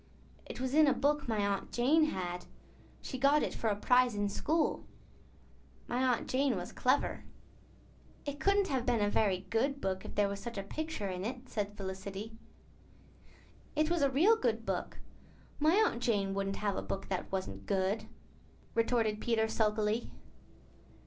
"It was in a book my Aunt Jane had. She got it for a prize in school. My Aunt Jane was clever." "It couldn't have been a very good book if there was such a picture in it," said Felicity. "It was a real good book. My Aunt Jane wouldn't have a book that wasn't good," retorted Peter sulkily.